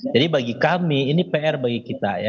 jadi bagi kami ini pr bagi kita ya